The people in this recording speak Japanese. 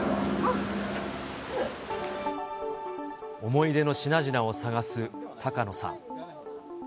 思い出の品々を探す高野さん。